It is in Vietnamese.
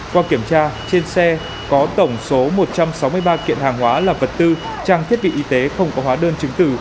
qua kiểm tra trên xe có tổng số một trăm sáu mươi ba kiện hàng hóa là vật tư trang thiết bị y tế không có hóa đơn chứng từ